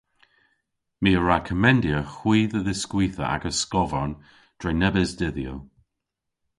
My a wra komendya hwi dhe dhiskwitha agas skovarn dre nebes dedhyow.